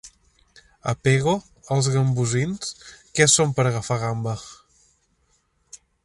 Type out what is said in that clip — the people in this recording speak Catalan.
A Pego, els gambosins, que són per agafar gamba.